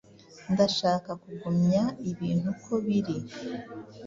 Ndashaka kugumya ibintu uko biri.